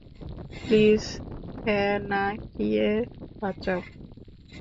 Please Hana কে বাঁচাও।